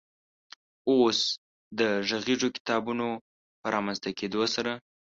اوس د غږیزو کتابونو په رامنځ ته کېدو سره